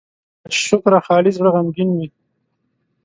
له شکره خالي زړه غمګين وي.